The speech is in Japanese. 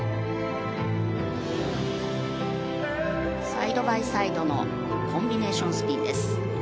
サイドバイサイドのコンビネーションスピンです。